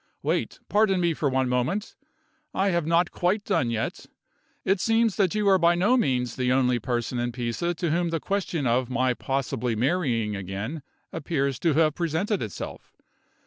Wait! pardon me for one moment. I have not quite done yet. It seems that you are by no means the only person in Pisa to whom the question of my possibly marrying again appears to have presented itself.